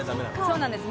そうなんです。